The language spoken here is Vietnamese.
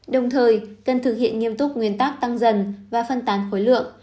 đồng thời cần thực hiện nghiêm túc nguyên tắc tăng dần và phân tán khối lượng